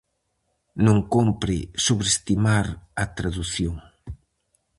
Non cómpre sobreestimar a tradución.